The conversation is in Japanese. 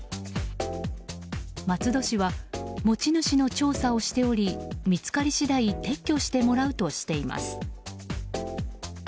松戸市は持ち主の調査をしており見つかり次第撤去してもらうとしています。